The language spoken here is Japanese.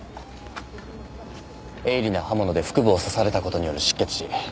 鋭利な刃物で腹部を刺された事による失血死。